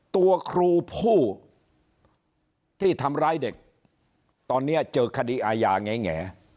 ตัวครูผู้ที่ทำร้ายเด็กตอนนี้เจอคดีอาญาแง่